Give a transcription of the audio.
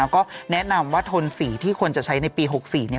ก็แนะนำว่าทนสีที่ควรจะใช้ในปี๖๔เนี่ย